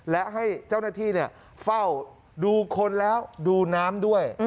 และให้เจ้าหน้าที่เฝ้าดูคนแล้วดูน้ำด้วย